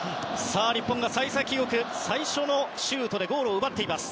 日本が幸先良く最初のシュートでゴールを奪いました。